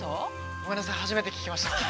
◆ごめんなさい、初めて聞きました。